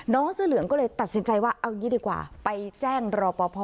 น้องเสื้อเหลืองก็เลยตัดสินใจว่าเอาอย่างงี้ดีกว่าไปแจ้งรอพอพอ